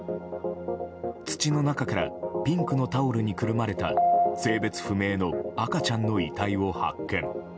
土の中からピンクのタオルにくるまれた性別不明の赤ちゃんの遺体を発見。